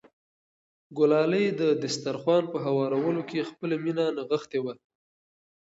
ګلالۍ د دسترخوان په هوارولو کې خپله مینه نغښتې وه.